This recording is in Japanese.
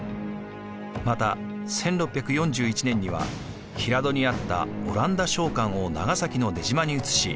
また１６４１年には平戸にあったオランダ商館を長崎の出島に移し